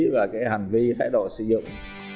và cái hành vi thay đổi sử dụng